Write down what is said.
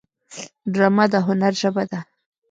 ډرامه د هنر ژبه ده